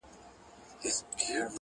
گراني په تاڅه وسول ولي ولاړې ؟